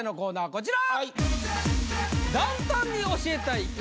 こちら！